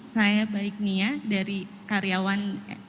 saya baik nia dari karyawan